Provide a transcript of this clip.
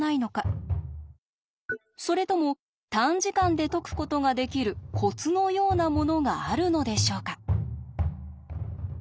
それとも短時間で解くことができるコツのようなものがあるのでしょうか？